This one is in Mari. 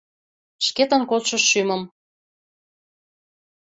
Шкетын кодшо шӱмым